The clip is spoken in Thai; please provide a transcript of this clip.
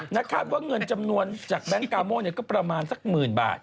คาดว่าเงินจำนวนจากแบงค์กาโม่ก็ประมาณสักหมื่นบาท